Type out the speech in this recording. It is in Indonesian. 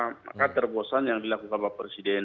maka terbosan yang dilakukan pak presiden